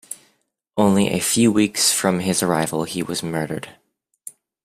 Only few weeks from his arrival he was murdered.